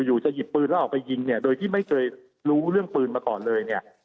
อยู่จะหยิบปืนแล้วออกไปยิงเนี่ยโดยที่ไม่เคยรู้เรื่องปืนมาก่อนเลยเนี่ย